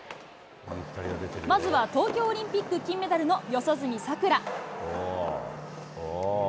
まずは東京オリンピック金メダルの四十住さくら。